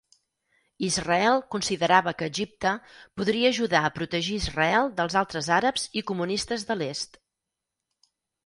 Israel considerava que Egipte podria ajudar a protegir Israel dels altres àrabs i comunistes de l"est.